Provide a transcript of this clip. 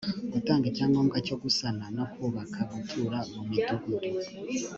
gutanga icyangombwa cyo gusana no kubaka gutura mu midugudu